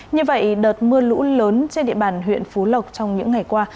như vậy đợt mưa lũ lớn trên địa bàn huyện phú lộc trong những ngày qua